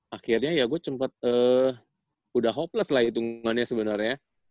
akhirnya ya gua cepet udah hopeless lah hitungannya sebenernya